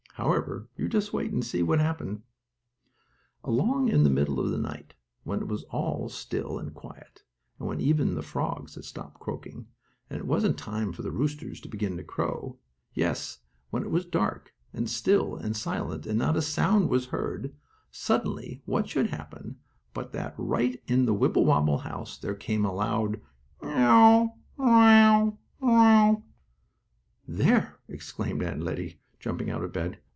However you just wait and see what happened. Along in the middle of the night, when it was all still and quiet, and when even the frogs had stopped croaking, and it wasn't time for the roosters to begin to crow; yes, when it was dark, and still and silent and not a sound was heard, suddenly what should happen but that right in the Wibblewobble house there came a loud: "Mew! Mew! Mew!" "There!" exclaimed Aunt Lettie, jumping out of bed.